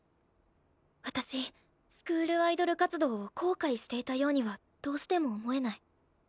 私スクールアイドル活動を後悔していたようにはどうしても思えない。